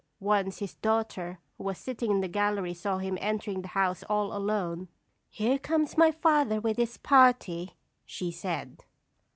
Once his daughter, who was sitting in the gallery, saw him entering the House all alone. "Here comes my father with his party," she said.